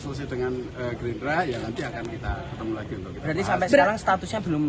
selesai dengan gerindra ya nanti akan kita ketemu lagi untuk jadi sampai sekarang statusnya belum